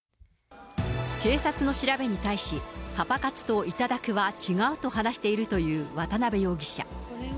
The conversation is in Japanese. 警察の調べに対し、パパ活と頂くは違うと話しているという渡辺容疑者。